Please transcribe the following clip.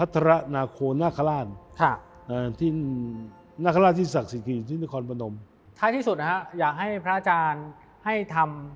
ถ้ายังให้พระอาจารย์ให้ทำ